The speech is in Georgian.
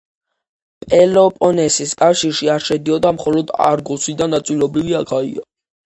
პელოპონესის კავშირში არ შედიოდა მხოლოდ არგოსი და ნაწილობრივ აქაია.